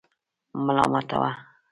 ملامتاوه.